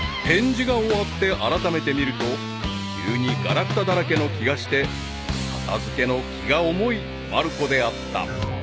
［展示が終わってあらためて見ると急にがらくただらけの気がして片付けの気が重いまる子であった］